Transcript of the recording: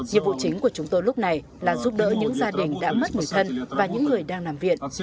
nhiệm vụ chính của chúng tôi lúc này là giúp đỡ những gia đình đã mất người thân và những người đang nằm viện